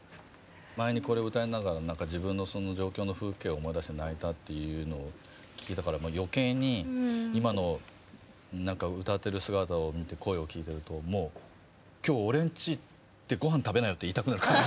前にこれを歌いながら自分の上京の風景を思い出して泣いたっていうのを聞いたから余計に今の歌ってる姿を見て声を聴いてるともう今日俺んちで御飯食べなよって言いたくなる感じ。